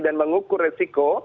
dan mengukur resiko